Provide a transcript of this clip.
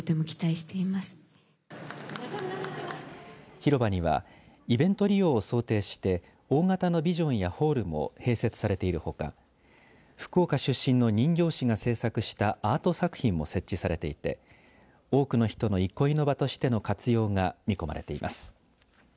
広場にはイベント利用を想定して大型のビジョンやホールも併設されているほか福岡出身の人形師が製作したアート作品も設置されていて多くの人の憩いの場としての活用が見込まれています。